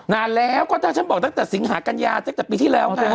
นานแล้วก็ถ้าฉันบอกตั้งแต่สิงหากัญญาตั้งแต่ปีที่แล้วไง